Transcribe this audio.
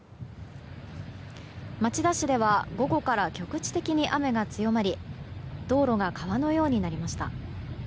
町田市では午後から局地的に雨が強まり道路が川のようになりました。